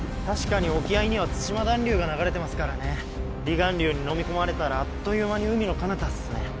確かに沖合には対馬暖流が流れてますからね離岸流にのみ込まれたらあっという間に海のかなたっすね